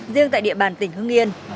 riêng tại địa bàn tỉnh hưng yên